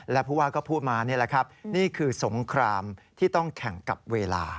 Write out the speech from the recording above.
และผู้ว่าก็พูดมานี่แหละครับนี่คือสงครามที่ต้องแข่งกับเวลา